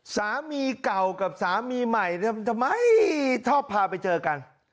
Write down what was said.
สามีเก่ากับสามีใหม่ทำไมชอบพาไปเจอกัน